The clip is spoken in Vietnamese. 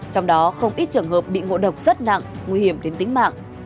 trong đó không ít trường hợp bị ngộ độc rất nặng nguy hiểm đến tính mạng